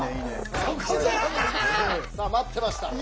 さあ待ってました。